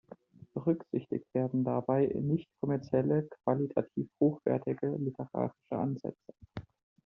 Berücksichtigt werden dabei „nicht-kommerzielle, qualitativ hochwertige literarische Ansätze“.